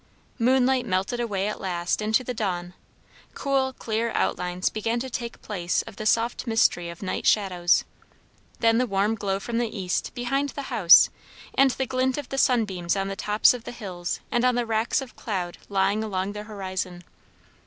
Moonlight melted away at last into the dawn; cool clear outlines began to take place of the soft mystery of night shadows; then the warm glow from the east, behind the house, and the glint of the sunbeams on the tops of the hills and on the racks of cloud lying along the horizon.